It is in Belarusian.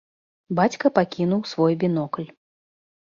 Бацька пакінуў свой бінокль.